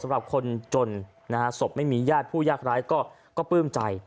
สำหรับคนจนนะฮะศพไม่มีญาติผู้ยากร้ายก็ปลื้มใจ